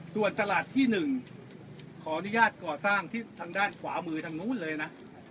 ส่วนตลาดที่๑ขออนุญาตก่อสร้างที่ทางด้านขวามือทางนู้นเลยนะ